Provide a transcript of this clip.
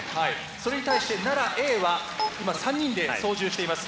それに対して奈良Ａは３人で操縦しています。